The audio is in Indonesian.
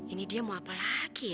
ini dia mau apa lagi